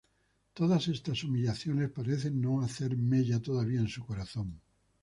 Todas estas humillaciones parecen no hacer mella todavía en su corazón.